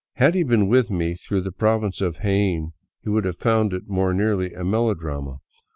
Had he been with me through the Province of Jaen, he would have found it more nearly a melodrama.